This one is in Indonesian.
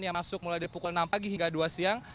yang masuk mulai dari pukul enam pagi hingga dua siang